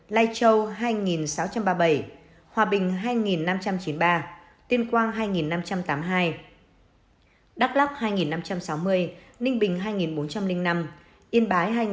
lai châu hai sáu trăm ba mươi bảy hòa bình hai năm trăm chín mươi ba tiên quang hai năm trăm tám mươi hai đắk lắk hai năm trăm sáu mươi ninh bình hai bốn trăm linh năm yên bái hai ba trăm tám mươi năm